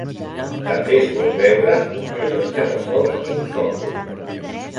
També es pot veure un rellotge de sol i un sòcol.